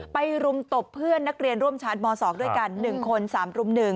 รุมตบเพื่อนนักเรียนร่วมชั้นม๒ด้วยกัน๑คน๓รุม๑